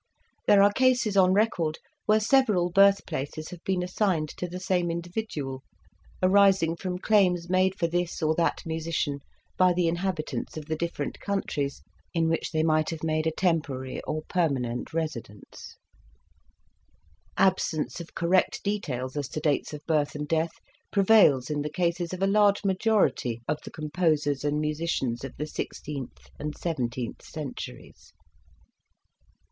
There are cases on record where several birthplaces have been assigned to the same individual, arising from claims made for this or that musician by the inhabitants of the different countries in which they might have made a temporary or permanent residence. Absence of correct details as to dates of birth and death prevails in the cases of a large majority of the composers and musicians of the sixteenth and seventeenth centuries. *" Musica Tranalpina" : Madrigals translated of four, five and six parts. N. Yonge, 1588.